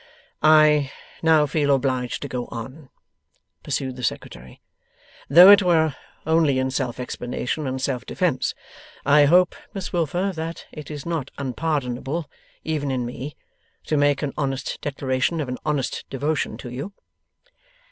'I now feel obliged to go on,' pursued the Secretary, 'though it were only in self explanation and self defence. I hope, Miss Wilfer, that it is not unpardonable even in me to make an honest declaration of an honest devotion to you.